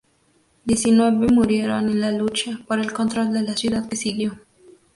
Diecinueve murieron en la lucha por el control de la ciudad que siguió.